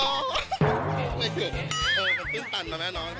ไม่เกินเออมันตื่นตันแล้วแม่น้อง